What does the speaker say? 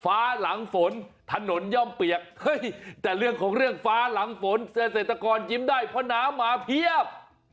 หลังฝนถนนย่อมเปียกเฮ้ยแต่เรื่องของเรื่องฟ้าหลังฝนเกษตรกรยิ้มได้เพราะน้ำมาเพียบ